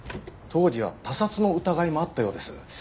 当時は他殺の疑いもあったようです。